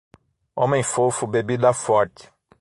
Homem fofo, bebida forte